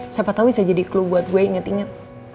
gatau bisa jadi clue buat gue inget inget